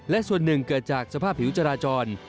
และส่วนหนึ่งเกิดจากสภาพผิวจราจร